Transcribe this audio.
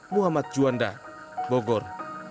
muhammad juanda bogor